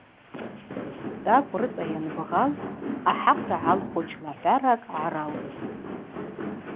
Тӏакӏв рыцӏа йанбгъал ахӏахъв йгӏалху члахӏваракӏ гӏараутӏ.